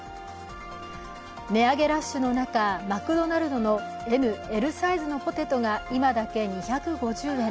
値上げラッシュの中、マクドナルドのＭ・Ｌサイズのポテトが今だけ２５０円。